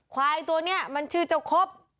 ควายตัวนี้มันชื่อเจ้าครบ